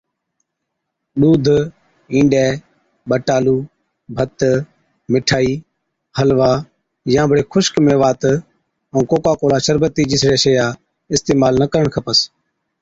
ڏُوڌ، اِينڏَي، ٻٽالُو، ڀت، مٺائِي، حلوا يان بڙي خُشڪ ميوات ائُون ڪوڪا ڪولا شربتِي جِسڙِيا شئِيا اِستعمال نہ ڪرڻ کپس۔